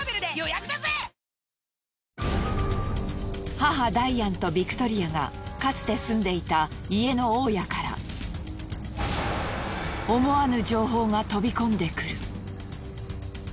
母ダイアンとビクトリアがかつて住んでいた家の大家から思わぬ情報が飛び込んでくる。